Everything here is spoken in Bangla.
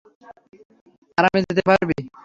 আরামে যেতে পারবি।